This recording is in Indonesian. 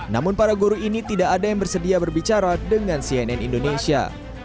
namun para guru ini tidak ada yang bersedia berbicara dengan cnn indonesia